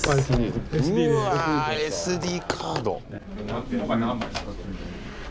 うわＳＤカード。